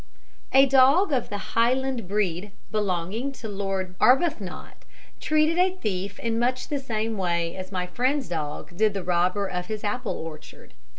A dog of the Highland breed, belonging to Lord Arbuthnot, treated a thief in much the same way as my friend's dog did the robber of his apple orchard.